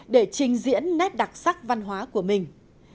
để trình diễn nét đặc sắc văn hóa của mình